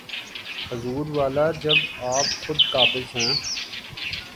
حضور والا، جب آپ خود قابض ہیں۔